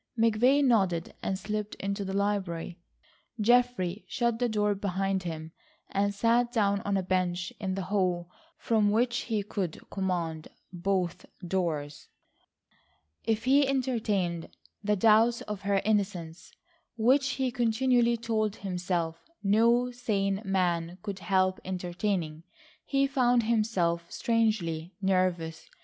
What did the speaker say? McVay nodded and slipped into the library. Geoffrey shut the door behind him, and sat down on a bench in the hall from which he could command both doors. If he entertained the doubts of her innocence which he continually told himself no sane man could help entertaining, he found himself strangely nervous.